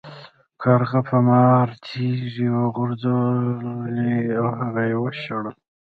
کارغه په مار تیږې وغورځولې او هغه یې وشړل.